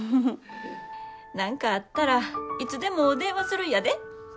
何かあったらいつでも電話するんやで。